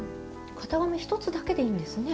型紙１つだけでいいんですね。